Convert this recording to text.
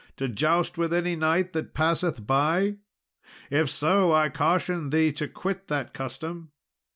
to joust with any knight that passeth by? If so, I caution thee to quit that custom."